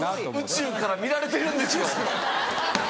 宇宙から見られてるんですよ。